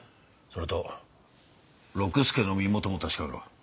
それと六助の身元も確かめろ。